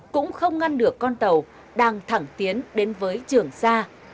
cũng không ngăn được con tàu đang thẳng tiến đến với trường sa